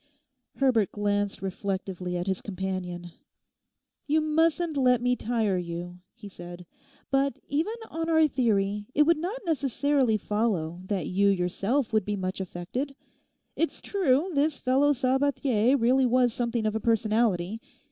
Herbert glanced reflectively at his companion. 'You mustn't let me tire you,' he said; 'but even on our theory it would not necessarily follow that you yourself would be much affected. It's true this fellow Sabathier really was something of a personality.